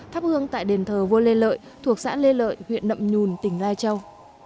thắp hương tại đền thờ vua lê lợi thuộc xã lê lợi huyện nậm nhùn tỉnh lai châu